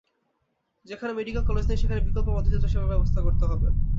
যেখানে medical college নেই, সেখানে বিকল্প পদ্ধতিতে সেবার ব্যবস্থা করতে হবে।